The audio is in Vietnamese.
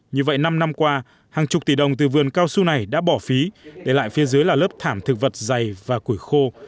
như vậy năm năm qua hàng chục tỷ đồng từ vườn cao su này đã bỏ phí để lại phía dưới là lớp thảm thực vật dày và củi khô